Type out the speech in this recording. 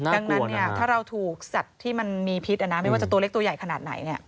ดังนั้นถ้าเราถูกสัตว์ที่มันมีพิษไม่ว่าจะตัวเล็กตัวใหญ่ขนาดไหน